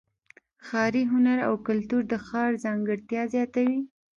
ښاري هنر او کلتور د ښار ځانګړتیا زیاتوي.